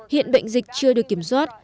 hiện bệnh dịch chưa được kiểm soát